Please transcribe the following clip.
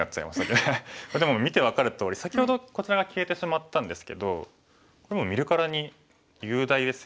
でも見て分かるとおり先ほどこちらが消えてしまったんですけどもう見るからに雄大ですよね。